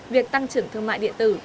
việc tăng trưởng thương mại điện tử